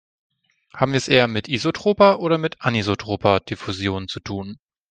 Haben wir es eher mit isotroper oder mit anisotroper Diffusion zu tun?